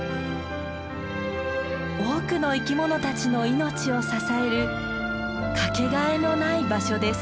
多くの生き物たちの命を支えるかけがえのない場所です。